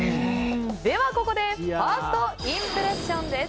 では、ここでファーストインプレッションです。